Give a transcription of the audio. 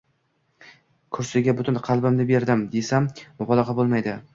Kursiga butun qalbimni berdim, desam, mubolag`a bo`lmaydi